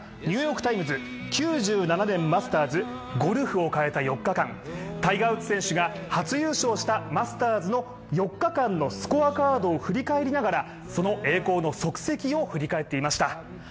「ニューヨーク・タイムズ」９７年マスターズ、ゴルフを変えた４日間、タイガー・ウッズ選手が初優勝したマスターズの４日間のスコアカードを振り返りながらその栄光の足跡を振り返っていました。